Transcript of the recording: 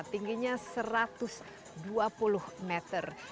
tingginya satu ratus dua puluh meter